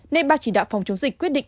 nên ban chỉ đạo phòng chống dịch quyết định